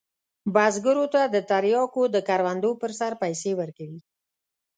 بزګرو ته د تریاکو د کروندو پر سر پیسې ورکوي.